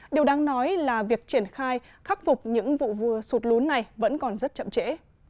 điều đáng nói là việc triển khai khắc phục những vụ vừa sụt lún này vẫn còn rất chậm trễ